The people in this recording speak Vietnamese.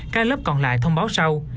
các lớp còn lại thông báo sau